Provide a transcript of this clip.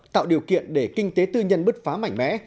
tạo điều kiện để kinh tế tư nhân bứt phá mạnh mẽ